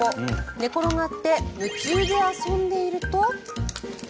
寝転がって夢中で遊んでいると。